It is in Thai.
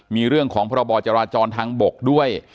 มีเรื่องของพรบจราจรทางบกด้วย